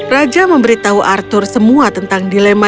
raja memberitahu arthur semua tentang dilema